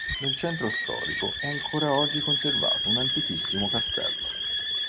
Nel centro storico è ancora oggi conservato un antichissimo castello.